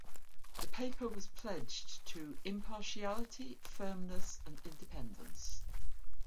The paper was pledged to "impartiality, firmness and independence".